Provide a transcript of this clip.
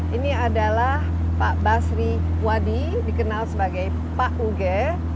ini adalah pak basri wadi dikenal sebagai pak uge